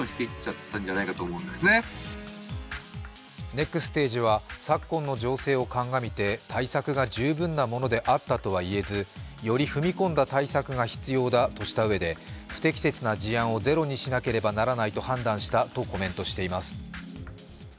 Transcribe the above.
ネクステージは昨今の情勢を鑑みて対策が十分なものであったとは言えず、より踏み込んだ対策が必要だとしたうえで不適切な事案をゼロにしなければならないと判断したとコメントしています。